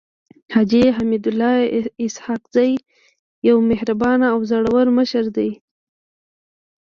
حاجي حميدالله اسحق زی يو مهربانه او زړور مشر دی.